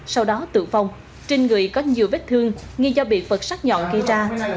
sau đó tử vong trên người có nhiều vết thương nghi do bị vật sắc nhọn ghi ra